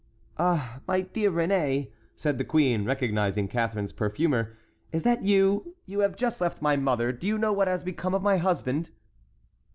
"Ah, my dear Réné," said the queen, recognizing Catharine's perfumer, "is that you?—you have just left my mother. Do you know what has become of my husband?"